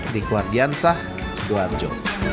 di keluarga sidoarjo